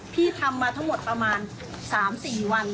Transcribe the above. พี่ทำมาทั้งหมดประมาณ๓๔วัน